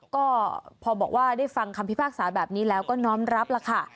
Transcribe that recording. ก็พอบอกว่าได้ฟังคำพิพากษาแบบนี้แล้วก็น้อมรับล่ะค่ะ